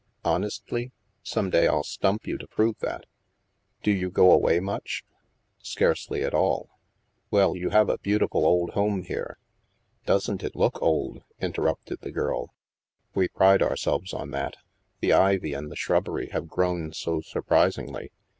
"Honestly? Some day I'll stump you to prove that. Do you go away much ?" Scarcely at all." Well, you have a beautiful old home here." Doesn't it look old !" interrupted the girl ;" we pride ourselves on that. The ivy and the shrubbery have grown so surprisingly.